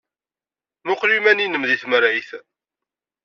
Mmuqqel iman-nnem deg temrayt.